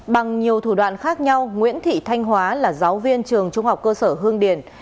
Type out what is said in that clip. bằng nhiều thủ đoạn khác nhau nguyễn thị thanh hóa là giáo viên trường trung học cơ sở hương điền